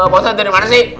pak ustadz dari mana sih